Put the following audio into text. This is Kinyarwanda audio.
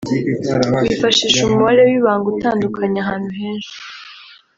wifashisha umubare w’ibanga utandukanye ahantu henshi